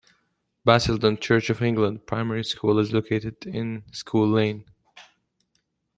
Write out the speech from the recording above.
Basildon Church of England Primary School is located in School Lane.